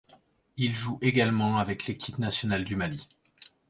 Il joue également avec l’équipe nationale du Mali.